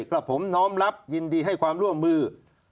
กับผมน้อมรับยินดีให้ความร่วมมือ